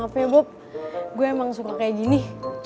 maaf ya bob gue emang suka kayak gini